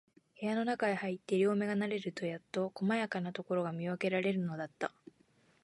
部屋のなかへ入って、両眼が慣れるとやっと、こまかなところが見わけられるのだった。